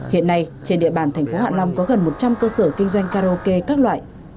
hiện nay trên địa bàn thành phố hạ long có gần một trăm linh cơ sở kinh doanh karaoke các loại